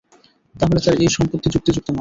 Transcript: তাহলে তার এই আপত্তি যুক্তিযুক্ত নয়।